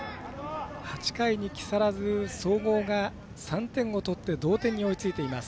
８回に木更津総合が３点を取って同点に追いついています。